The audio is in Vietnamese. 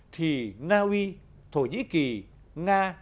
thì na uy thổ nhĩ kỳ nga